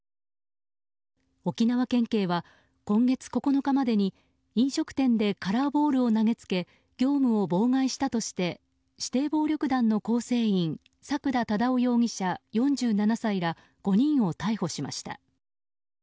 沖縄県警は今月９日までに飲食店でカラーボールを投げつけ業務を妨害したとして指定暴力団の構成員佐久田忠男容疑者、４７歳ら５人を逮捕しました。